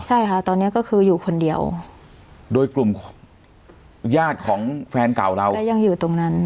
ใช่ค่ะตอนเนี้ยก็คืออยู่คนเดียวโดยกลุ่มญาติของแฟนเก่าเราก็ยังอยู่ตรงนั้น